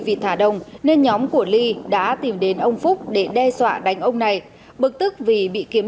vịt thả đồng nên nhóm của ly đã tìm đến ông phúc để đe dọa đánh ông này bực tức vì bị kiếm